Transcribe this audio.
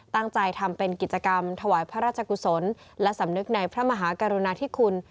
ตั้งใจทำเป็นกิจกรรมถวายพระราชกุศลและสำนึกในพระมหากรุณาธิคุณ